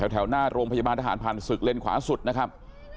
แถวหน้าโรงพยาบาลทหารผ่านศึกเลนขวาสุดนะครับ